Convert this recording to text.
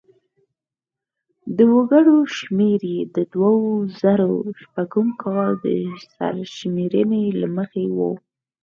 د وګړو شمېر یې په دوه زره شپږم کال د سرشمېرنې له مخې و.